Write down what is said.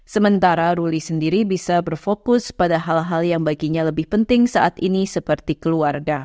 sementara ruli sendiri bisa berfokus pada hal hal yang baginya lebih penting saat ini seperti keluarga